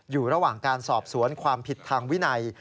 อยู่ระหว่างการสอบสวนความผิดทางวินัย